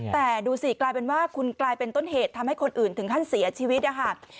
แต่ดูสิกลายเป็นว่าคุณกลายเป็นต้นเหตุทำให้คนอื่นถึงขั้นเสียชีวิตนะคะ